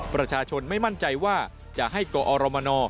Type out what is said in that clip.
ประชาชนไม่มั่นใจว่าจะให้กอรมน